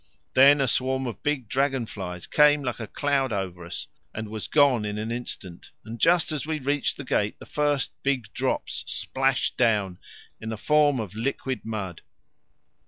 Then a swarm of big dragon flies came like a cloud over us, and was gone in an instant, and just as we reached the gate the first big drops splashed down in the form of liquid mud.